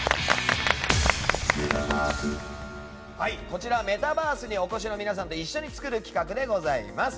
こちらはメタバースにお越しの皆さんで一緒に作る企画でございます。